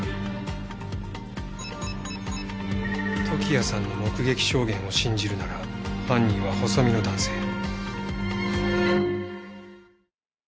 時矢さんの目撃証言を信じるなら犯人は細身の男性。